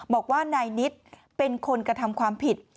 บอกว่านายนิดเป็นคนกระทำความผิด